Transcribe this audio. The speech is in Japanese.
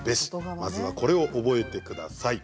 まずはこれを覚えてください。